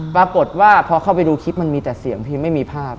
ปรากฏว่าพอเข้าไปดูคลิปมันมีแต่เสียงพี่ไม่มีภาพ